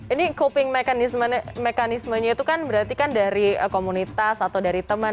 ini coping mekanismenya itu kan berarti kan dari komunitas atau dari teman